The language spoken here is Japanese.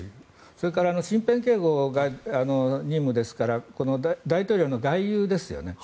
それから身辺警護が任務ですから大統領の外遊ですよね。